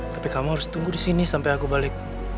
tapi kamu harus tunggu disini sampai aku balik